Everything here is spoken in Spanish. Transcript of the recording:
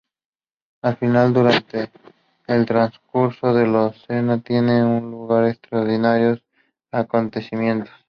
Al final, durante el transcurso de la cena, tienen lugar extraordinarios acontecimientos.